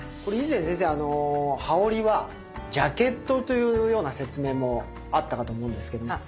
これ以前先生あの羽織はジャケットというような説明もあったかと思うんですけど。